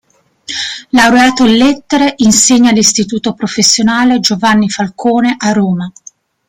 Laureato in lettere, insegna all'istituto professionale "Giovanni Falcone" a Roma.